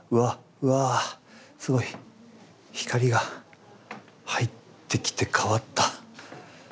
うわぁすごい光が入ってきて変わった。